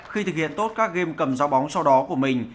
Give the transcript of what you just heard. khi thực hiện tốt các game cầm dao bóng sau đó của mình